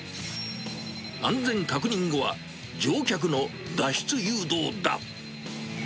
安全確認後は、乗客の脱出誘導だ。